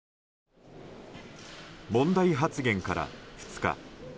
問題発言から、２日。